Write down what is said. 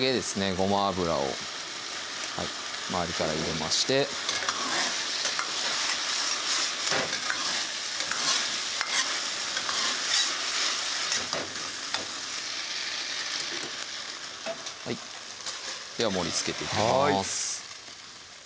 ごま油を周りから入れましてでは盛りつけていきます